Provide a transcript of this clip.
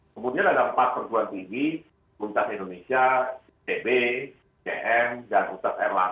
kemudian ada empat perjuang tinggi kuntas indonesia db cm dan kuntas rlam